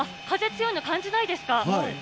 風強いの感じないですか？